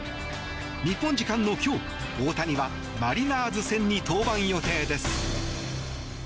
日本時間の今日、大谷はマリナーズ戦に登板予定です。